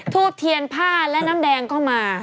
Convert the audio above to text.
ทูบเทียนผ้าและน้ำแดงเข้ามา